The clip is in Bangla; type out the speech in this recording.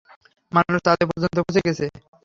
মানুষ চাঁদে পর্যন্ত পৌঁছে গেছে।